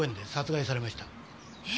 えっ！？